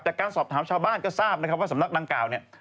แต่การสอบถามชาวบ้านก็ทราบนะครับว่าสำนักดังกล่าวเนี่ย